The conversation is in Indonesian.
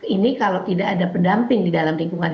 ini kalau tidak ada pendamping di dalam lingkungan